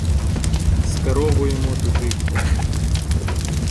Скеровуємо туди коней.